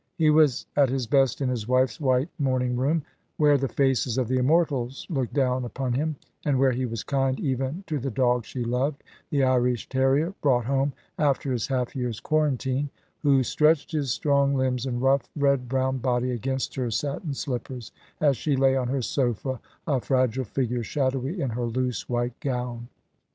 He was at his best in his wife's white morning room, where the faces of the immortals looked down upon him, and where he was kind even to the dog she loved the Irish terrier, brought home after his half year's quarantine who stretched his strong limbs and rough, red brown body against her satin slippers, as she lay on her sofa, a fragile figure, shadowy in her loose white gown.